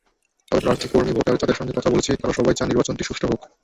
তবে প্রার্থী-কর্মী-ভোটার যাঁদের সঙ্গে কথা বলেছি, তাঁরা সবাই চান নির্বাচনটি সুষ্ঠু হোক।